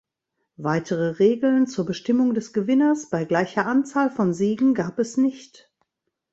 Weitere Regeln zur Bestimmung des Gewinners bei gleicher Anzahl von Siegen gab es nicht.